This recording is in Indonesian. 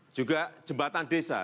juga jembatan desa